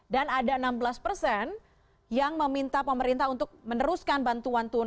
dan ada enam belas persen yang meminta pemerintah untuk meneruskan bantuan